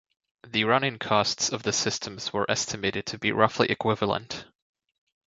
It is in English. The running costs of the systems were estimated to be roughly equivalent.